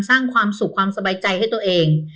สร้างความสุขความสบายใจให้ตัวเอง